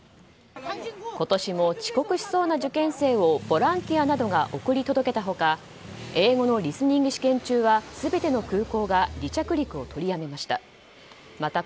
今年も、遅刻しそうな受験生をボランティアなどが送り届けた他英語のリスニング試験中は全ての空港が離着陸を取りやめました。